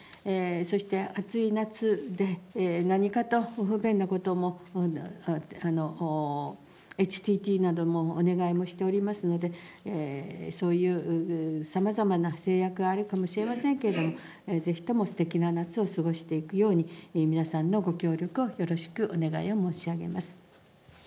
そして暑い夏で、何かとご不便なことも、ＨＴＴなどもお願いをしておりますので、そういうさまざまな制約があるかもしれませんけれども、ぜひともすてきな夏を過ごしていくように、ぜひとも皆さんご協力をよろしくお願いを申し上げます。